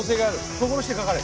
心してかかれ。